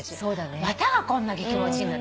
綿がこんだけ気持ちいいんだ。